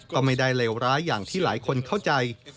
ก็ไม่ได้เลวร้ายอย่างที่หลายคนเข้าใจ